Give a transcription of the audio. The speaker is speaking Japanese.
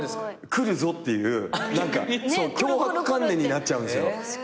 来るぞっていう強迫観念になっちゃうんですよ。